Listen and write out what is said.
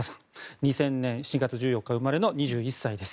２０００年７月１４日生まれの２１歳です。